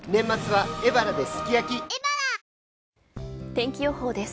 天気予報です。